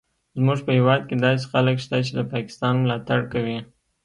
زموږ په هیواد کې داسې خلک شته چې د پاکستان ملاتړ کوي